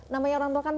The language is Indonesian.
namanya orang tua kan